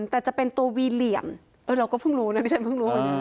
แต่จะเป็นตัววีเหลี่ยมเออเราก็เพิ่งรู้นะดิฉันเพิ่งรู้